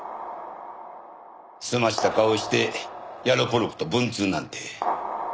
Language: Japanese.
澄ました顔してヤロポロクと文通なんて。